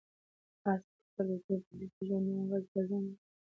آس په خپل وجود باندې د ژوند نوی عزم احساس کړ.